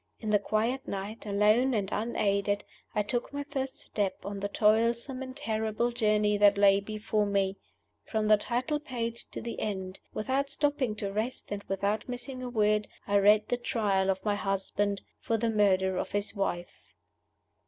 In the quiet night, alone and unaided, I took my first step on the toilsome and terrible journey that lay before me. From the title page to the end, without stopping to rest and without missing a word, I read the Trial of my husband for the murder of his wife.